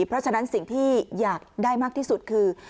เพราะฉะนั้นสิ่งที่อยากได้มากที่สุดคือ